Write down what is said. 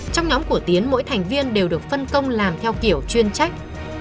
trong nhóm của tiến mỗi thành viên đều được phân công làm theo kiểu chuyên trách